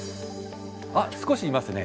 あっ少しいますね。